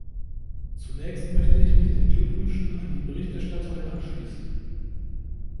Zunächst möchte ich mich den Glückwünschen an die Berichterstatterin anschließen.